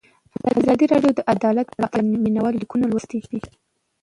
ازادي راډیو د عدالت په اړه د مینه والو لیکونه لوستي.